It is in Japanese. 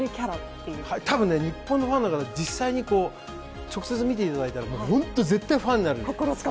多分日本のファンの方、実際に直接見ていただいたら本当に絶対ファンになる。